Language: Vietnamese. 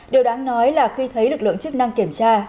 điều đáng nói là khi thấy lực lượng chức năng kiểm tra